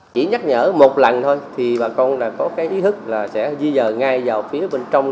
chỉ nhắc nhở một lần thôi thì bà con đã có cái ý thức là sẽ dây dờ ngay vào phía bên trong